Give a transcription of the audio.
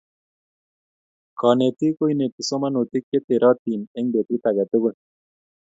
Konetik ko inetii somonutik che terotin eng betut age tugul.